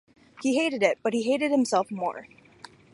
He hated it, but he hated himself more.